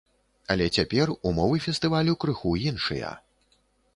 Але цяпер умовы фестывалю крыху іншыя.